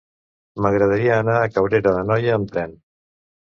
M'agradaria anar a Cabrera d'Anoia amb tren.